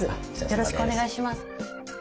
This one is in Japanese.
よろしくお願いします。